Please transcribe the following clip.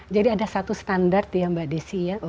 jadi ada satu standar ya mbak desy ya